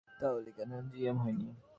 তাহলে কেন জিএম হয়নি?